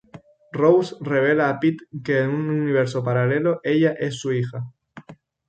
Rose revela a Pete que en un universo paralelo ella es su hija.